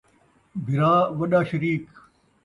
بھرا وݙا شریک